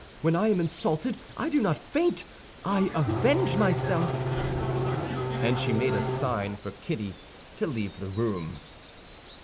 When I am insulted I do not faint; I avenge myself!" And she made a sign for Kitty to leave the room.